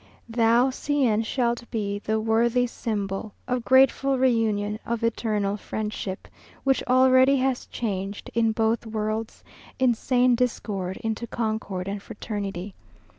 Thou, C n, shalt be The worthy symbol Of grateful reunion, Of eternal friendship, Which already has changed, In both worlds, Insane discord Into concord and fraternity.